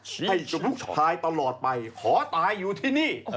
ให้กับลูกชายตลอดไปขอตายอยู่ที่นี่